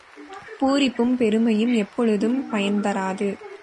பூரிப்பும் பெருமையும் எப்பொழுதும் பயன்தராது.